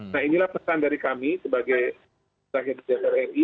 nah inilah pesan dari kami sebagai rakyat rri